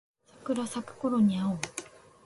桜咲くころに会おう